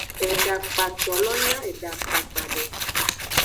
Edakpato lo nya edakpakpa de.